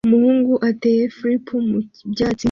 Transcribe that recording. Umuhungu atema flip mu byatsi